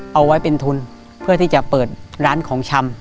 เอาไว้เป็นทุนเพื่อที่จะเปิดร้านของชำ